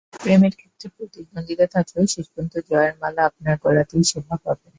প্রেমের ক্ষেত্রে প্রতিদ্বন্দ্বিতা থাকলেও শেষ পর্যন্ত জয়ের মালা আপনার গলাতেই শোভা পাবে।